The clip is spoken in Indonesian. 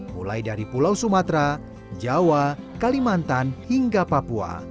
mulai dari pulau sumatera jawa kalimantan hingga papua